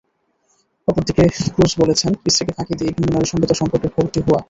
অপরদিকে ক্রুজ বলেছেন, স্ত্রীকে ফাঁকি দিয়ে ভিন্ন নারীর সঙ্গে তাঁর সম্পর্কের খবরটি ভুয়া।